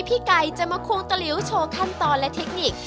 พี่ไก่จะมาควงตะหลิวโชว์ขั้นตอนและเทคนิค